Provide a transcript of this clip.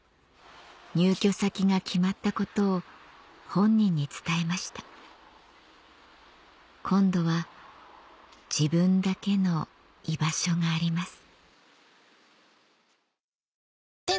入居先が決まったことを本人に伝えました今度は自分だけの居場所があります